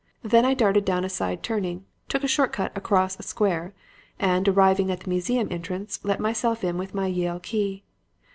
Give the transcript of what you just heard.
Then I darted down a side turning, took a short cut across a square, and, arriving at the museum entrance, let myself in with my Yale key.